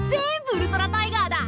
ウルトラタイガーだ！